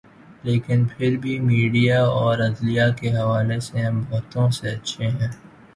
لیکن پھر بھی میڈیا اور عدلیہ کے حوالے سے ہم بہتوں سے اچھے ہیں۔